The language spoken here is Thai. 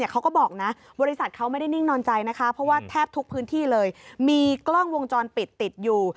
เขาก็บอกนะบริษัทเขาไม่ได้นิ่งนอนใจนะคะเพราะว่าแทบทุกพื้นที่เลยมีกล้องวงจรปิดติดอยู่